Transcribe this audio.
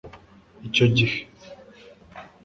icyo gihe